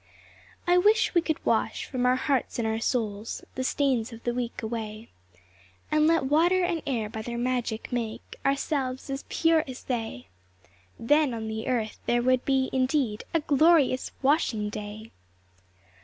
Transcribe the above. I wish we could wash from our hearts and our souls The stains of the week away, And let water and air by their magic make Ourselves as pure as they; Then on the earth there would be indeed A glorious washing day!